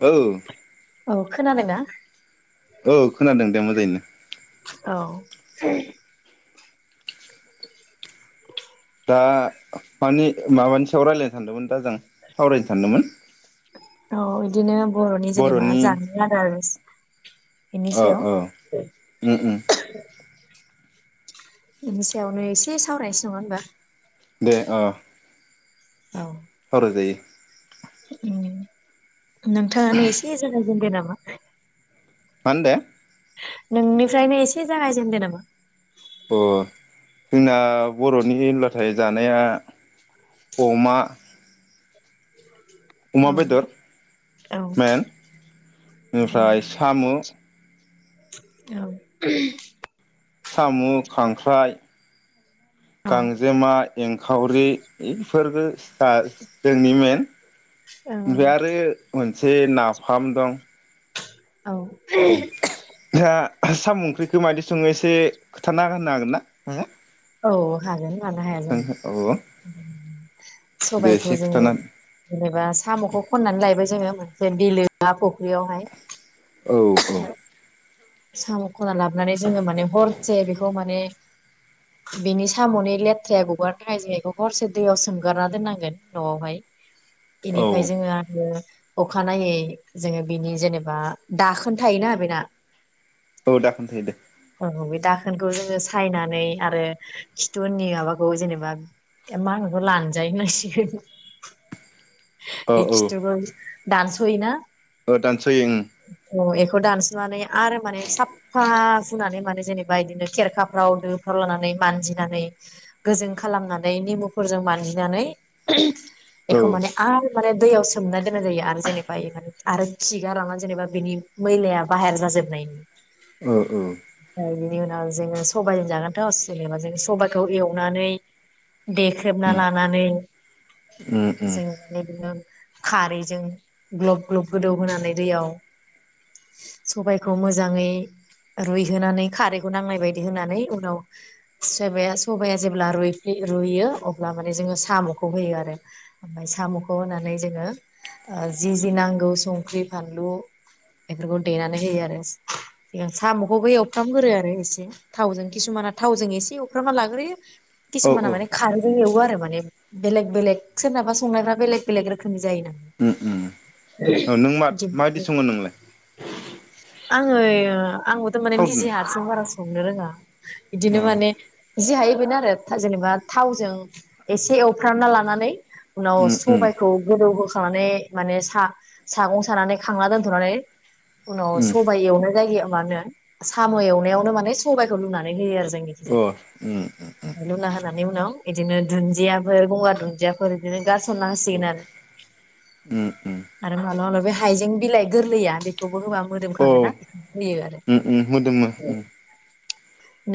औ औ खोनादों ना? औ खोनादों दे मोजांयैनो। औ [inaudible] दा मानि माबानि सायाव रायलायनो सानदोंमोन दा जों सावरायनो सानदोंमोन औ इदिनो बर'नि जेनेबा जामुं आदारस बेनि ओ ओ उम उम सायाव बिनि सायावनो एसे सावरायसै नङा होनबा दे ओ औ सावराय जायो । उम नोंथाङानो इसे ज बुंदो नामा । मा होनदो । नोंनिफ्रायनो इसे जागायजेनदो नामा । अ जोंना बर'नि ओनब्लाथाय जानाया अमा अमा औ बेदर औ मेन बेनिफ्राय सामु औ सामु, खांख्राइ औ गांजेमा एं खावरि इफोरबो जा जोंनि मेन ओमफाय आरो मोनसे नाफाम दं औ [unintelligible] सामु ओंख्रिखौ मायदि सङो एसे खोथाना होनो हागोन ना नोंङो औ हागोन मानो हाया जानो औ दे सबायखौ एसे जोङो खोथाना जेनेबा सामखौ खननानै लायबाय जोङो गंसे बिलो ना फ ख्रि यावहाय [inaudible] औ औ साम खनना लाबनानै जोङो माने हरसे बेखौ माने बिनि सामनि लेथ्राया गगारनो थाखाय जों इखौ हरसे दैयाव सोमगारना दोननांगोन नआवहाय बिनिफाय औ जोङो आरो अखानायै जोङो बिनि जेनेबा दाखोन थायोना बेना औ दखोन थायो दे औ । बे दाखोनखौ जोङो सायनानै आरो खिथु उननि माबाखौ जेनेबा मा होनोखौ लानजाइ होनांसिगोन औ इ खिथुखौ दान हैना ओ दानसयो ओं अ एखौ दानसनानै आरो माने साबफा हुनानै माने जेनेबा इदिनो खेरखाफ्राव दोफ्राव लानानै मानजिनानै गोजों खालामनानै नेमुफोरजों मानजिनानै ओहोम एखौ ओं माने आरो माने दैयाव सोमना दोननाय जायो आरो जेनेबा इ माने आरो खिगार लांना जेनेबा बिनि मैलाया बाहेर जाजोबनायनि औ औ ओमफ्राय बिनि उनाव जोङो सबाइजों जागोनथ जेनेबा जों सबाइखौ एवनानै देख्रेबना उम लानानै उम उम [unintelligible] खारैजों ग्लब ग्लब गोदौ होनानै दैयाव सबाइखौ मोजां जाङै रुइहोनानै खारैखौ नांनाय बायदि होनानै उनाव सोबाया सबाया जेब्ला रुइ रुइयो अब्ला माने जोङो सामखौ होयो आरो ओमफ्राय सामखौ होनानै जोङो ओ जि जि नांगौ संख्रि फानलु बेफोरखौ देनानै होयो आरो सामखौबो एवफ्रामगोरो आरो एसे थावजों किसुमाना थावजों एसे एवफ्रामना लाग्रोयो औ औ किसुमाना माने खारैजों एवो आ माने बेलेक बेलेक सोरनाबा संनायफ्रा बेलेक बेलेक रोखोमनि जायो नालाय ओम ओम ओ नों माब माबायदि सङो नोंलाय आंङो आंबोथ माने निजि थावदोनो हारसिं बारा सङा संनो रोङा अ बिदिनो माने जि हायो बेनो आरो जेनेबा थावजों एसे एवफ्रामना लानानै उनाव उम उम सबायखौ गोदौ हो खानानै माने सा सागं सानानै खांना दोनथनानै उनाव उम सबाय एवनाय जायो मानो साम एवनायावनो माने सबाइखौ लुनानै होयो आरो अ जोंनिखिजाय उम लुना होनानै उनाव बिदिनो दुन्दियाफोर गंगार दुन्दियाफोर बिदिनो गारसनना होसिगोन उम उम आरो आरो मालाबा माबलाबा बे हाइजें बिलाइ गोरलैया बे [unintelligible] औ उम उम मोदोंमो उम ।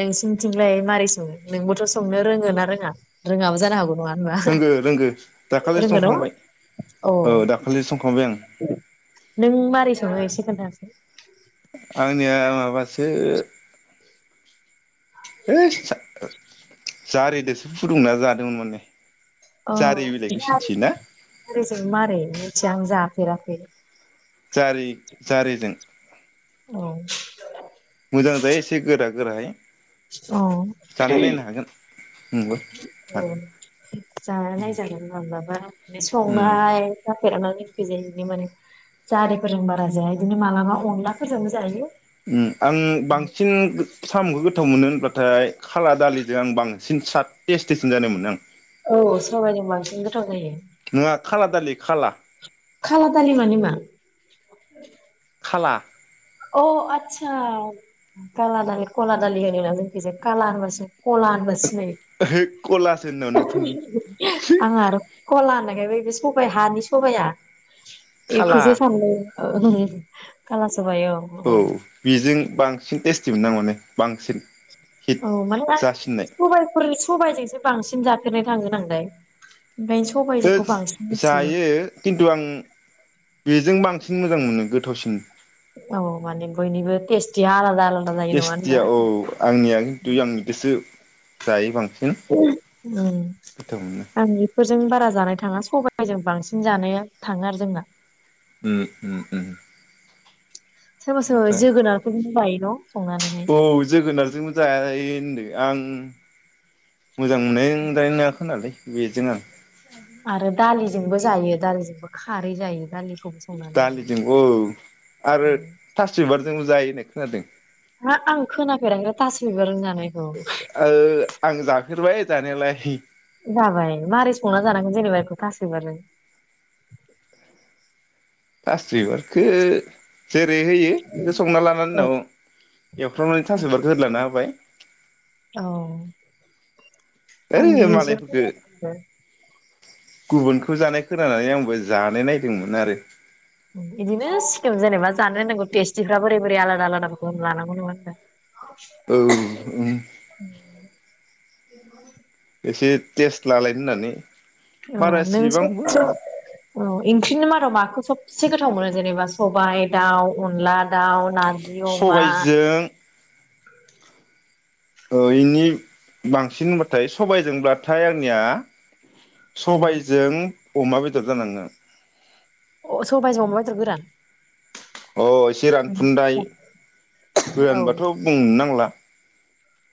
नोंसिनिथिंलाय मारै सङो नोंबोथ' संनो रोङो ना रोङा रोङाबो जानो हागौ नङा होनबा रोंगो रोंगो दाखालिसो रोंगौ न' संखांबाय अ औ दाखालिसो संखांबाय आं । [unintelligible] दासो बे [unintelligible] जारिदोसो फुदुंना जादोंमोन माने अ जारि बिलाइखौ सिन्थियोना जारिजों मारै मिथिया आं जा फेराखै जारि जारिजों औ मोजां जायो एसे गोरा गोरायै । अ नोंबो जानायनायजागोन माब्लाबा उम संनाय जाफेराना खिजाय बिनो माने जारिफोरजों बारा जाया बिदिनो मालाबा अनलाफोरजों जायो । ओम आं बांसिन गो साम'खौ गो थाव मोनो होनबाथाय खाला दालिदो आं बां सिन साथ थेस्टिसिन जानाय मोनो आं । औ सबायजों बांसिन गोथाव जायो । नङा खाला दालि खाला खाला दालि मानि मा खाला अ आतसा काला दालि कला दालि होनोना जोंनिथि जाय काला होनबास कला होनबास ओहो कलासो होननाव नोंथां आं आर कला होननायखाय बे सबाइ हानि सबाइया खाला एखौसो सानदों काला सबाय अ औ बेजों बांसिन टेस्टि मोननो आं माने बांसिन हिट औ माने आं जासिननाय सबायफोर सबायजोंसो बांसिन जा नाय थांगोन आं दाय जायो खिन्थु आं बेजों बां सिन मोजां मोनो गोथावसिन। औ माने बयनिबो टेस्टिया आलादा आलादा जायो नङा होनबा टेस्टिया औ आंनिया खिन्थु आं इदोसो उम गोथाव मोनो। आं। फोरजों बारा जानाय थाङा साबाइजों बांसिन जानाया थाङो आरो जोंना। उम उम उम। समा सम ओमफ्राय जोगोनखौबायो। हेलौ। औ जोगोनारजोंबोजाय ओनदो आं। मोजां मोननाय दानाय नङाखो होनालाय। बेजोङो। आरो दालिजोंबो जायो दालिजोंबो खारै जायो दालि। दालिजों औ आरो थासबिबार जों जायो होननाय खोनादों। हा आं खोनाफेराख थास बिबार जों ओ आं जाफेरबाय। जानायालाय। जाबाय मारै संना जानांगोन जेनेबा बेखौ थासैबिबारजों। थास बिबारखो। जेरै होयो बेखौ संना लानानै औ उनाव एवफ्रावनानै थास बिबारखो होदलाना होबाय। औ। ओ मालायफोरखो गुबुनखौ जानाय खोनानानै आंबो जानाय नायदोंमोन आरो। उम इदिनो सिक्किम जेनेबा जानो रोनांगौ टेस्टिफ्रा बोरै बोरै आलादा आलादाफोरखौ लानांगौ नङामोनब्ला। औ उम [unintelligible] [unintelligible] एसे टेस्ट लालायनो होननानै। औ बारा नों सब इसिबांबो -सब औ ओंख्रिनो मादाव माखौ सब। से गोथाव मोनो जेनेबा सबाय दाउ अनला। दाउ नारजि अमा। [inaudible] सबायजों औ इनि बांसिन होनबाथाय सबायजोंब्लाथाय आंनिया। सबायजों अमा बेदर जानाङो। अ सबायजों अमा बेदर गोरान। अ एसे रानफुनन्दाय औ गोरानबाथ बुंनो नांला।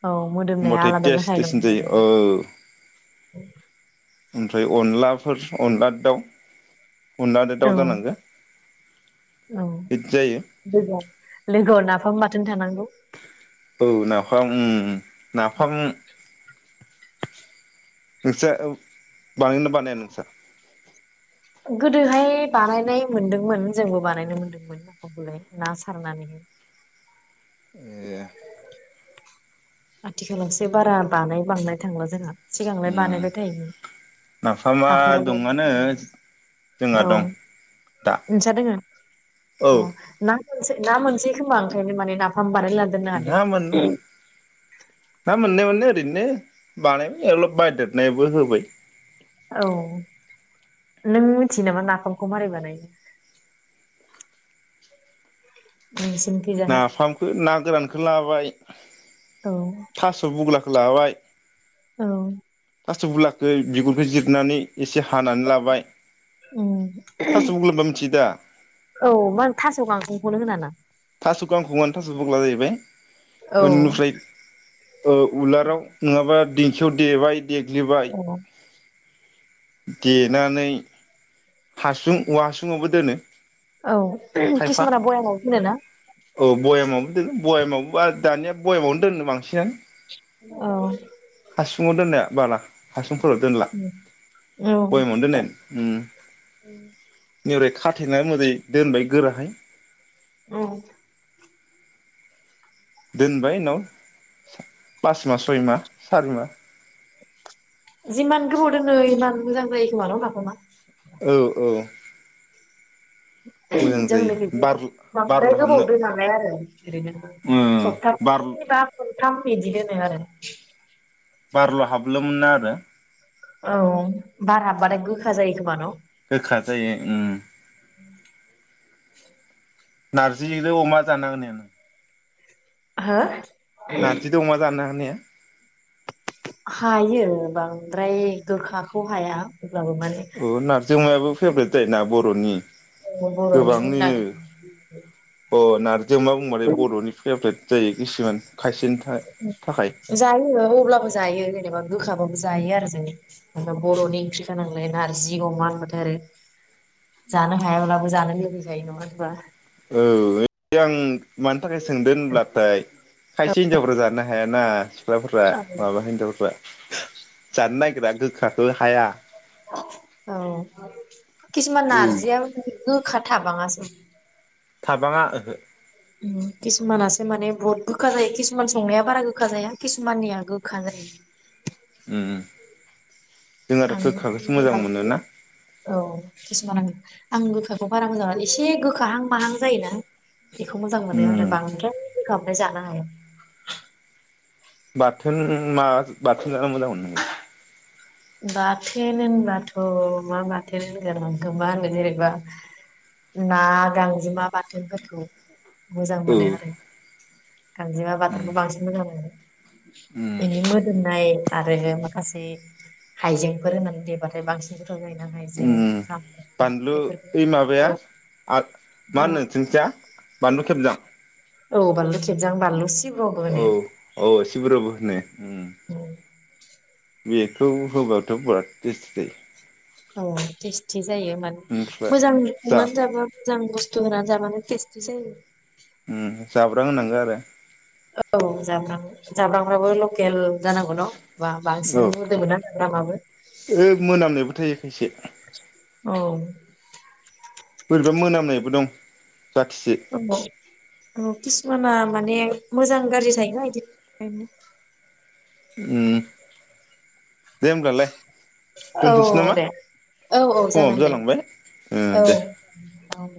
औ मोदोमनाया होमबाथाय आलादा टेस जाखायो नङा टेस होन जायो होमबा? ओ। ओमफ्राय अनलाफोर अनला दाउ। उनला दो औ दाव जानांगो। औ बिदि जायो लोगो लोगोआव नाफाम बा थोन थानांगौ औ नाफाम उम नाफाम नोंसा बानायोना बानाया नोंसा? गोदोहाय बानायनाय मोनदोंमोन जोंबो बानायनो मोनदोंमोन नाफाम खौलाय ना सारनानैहाय ए आथिखालावसो बारा बानाय बांनाय थांला जोंहा सिगांलाय उम बानायबाय थायोमोन नाफामा हाखराल दंआनो जोंहा औ दं दा नोंसा दोङो औ ना मोनसै ना मोनसै खोमा ओंखायनो माने नाफाम बानाय लाना दोननो हादो ना मोन ना मोननाय माने ओरैनो बानायबाय अलब बायदेरनायबो होबाय औ नों मिथियो नामा नाफामखौ मारै बानायो? नोंसिनिखैजाहा नाफामखौ ना गोरानखौ ला बाय औ थास' बुगला खोलाबाय औ थास बुलाखो बिगुरखो जिरनानै एसे हानानै लाबाय उम थास' बुग्लाबा मिथियो दा औ मा थास' गांखंखौनो होना ना? थासखौ गाखङानो थास बुग्ला जाहैबाय औ उननुफ्रायद ओ उलाराव नङाबा दिंखियाव देबाय देग्लिबाय देनानै हासुं औवा हासुुं आवबो दोनो। औ खायफा किसुमाना बयाम आव दोनोना? बयेमावबा दानिया बयेमावनो दोननो बांसिनानो औ बाला हासुं [unintelligible] दोनला बयमावनो दोननोन ओम ओम [unintelligible] खाथेनानै मोदै दोनबाय गोराहाय औ दोनबाय उनाव पास मा सय मा सारि मा जिमान गोबाव दोनो इमान मोजां जायो खोमा न नाफामा औ औ मोजां जायो जोंङो खिनथु बार बांद्राय बारल' हाबनो गोबाव दोनालाय आरो उम [unintelligible] बार थाम बिदि दोनोआरो बारल हाबनो मोना आरो औ बार हाबबाथाय गोखा जायो खोमा न गोखा जायो ओम नारजिजों अमा जान हागोनना हाया नो हा नारजिदों अमा जानो हागोनना हाया हायो बांद्राय गोखाखौ हाया अब्लाबो माने अ नारिजमायाबो फेभरेट जायोना बरनि बर'नि गोबांनिनो मुंदांखा अ नारजिमा अमा बुंबाथाय बरनि फेभरेट जायो किसुमान खायसेनि था थाखाय जायो अब्लाबो जायो जेनेबा गोखाबाबो जायो आरो जोंनि बरनि ओंख्रिखा नांलाय नारजि अमा होनबाथाय आरो जानो हायाब्लाबो जानो लुबैयोलायो नङा होनबा औ आं माने थाखाय सोंदों होनब्लाथाय खायसे हिनजावफोरा जानो हायाना सिख्लाफोरा माबा हिनजावफ्रा जानो नागिरा गोखाखौ हाया औ कसुमान नारजिया ओम गो खा थाबाङासो थाबाङा ओहो किसुमानासो माने बुहुत गोखा जायो किसुमान संनाया बारा गोखा जाया किसुमाननिया गोखा जायो ओम आं औ किसुमान आं आं गोखाखौ बारा मोजागा एसे गोखाहां माहां जायोना बेखौ मोजां मोनो उम आरो बांद्राय गोखाबाथाय जा नाय बाथोन मा बाथोन जानो मोजां मोनो नोंलाय बाथोन होनबाथ मा बाथोन होनगोन आंखौ मा होनो जेनेबा ना गांजेमा बाथोनफोरखौ मोजां औ मोनो आरो गांजेमा उम बाथानबो बांसिन मोजां मोनो उम बिनि मोदोमनाय आरो माखासे हाइजेंफोर होननानै देबाथाय बांसिन गोथाव जायोना उम हाइजें सामब्राम बानलु बेफोरखौ ओइ माबाया औ आरो मा होनो थिंखिया बानलु खेबजां औ बानलु खेबजां बानलु सि औ औ सिब्रबो होनो उम औ बेखौ होबाथ'‌ बेराद टेस्टि जायो। औ टेस्ट टेस्ट जायो मान ओमफ्राय मोजां जा संनानै जाबा मोजां बुस दुमनानै जाबानो टेस्टि जायो। ओम जाब्रां होनांगौ आरो औ जाब्रां-जाब्रांफ्राबो लखेल जानांगौ न' बा औ बांसिन मोदोमोना लामाबो एसे औ बोरैबा मोनामनायबो दं। जाथिसे औ औ खिसुमाना माने मोजां गाज्रि थायोना एदिनो उम दे होमब्लालाय औ दोनथ'नोसै नामा दे औ औ समाबो जागोन दे जालांबाय ओ औ दे औ